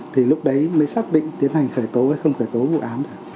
thì lúc đấy mới xác định tiến hành khởi tố hay không khởi tố vụ án cả